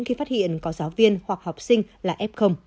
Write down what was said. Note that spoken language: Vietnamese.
khi phát hiện có giáo viên hoặc học sinh là f